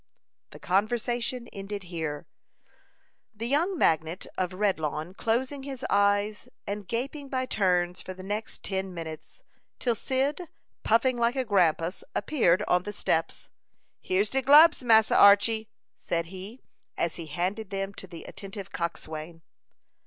The conversation ended here, the young magnate of Redlawn closing his eyes and gaping by turns for the next ten minutes, till Cyd, puffing like a grampus, appeared on the steps. "Here's de glubs, Massa Archy," said he, as he handed them to the attentive coxswain.